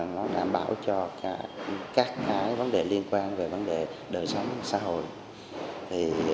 nó đảm bảo cho các vấn đề liên quan về vấn đề đời sống xã hội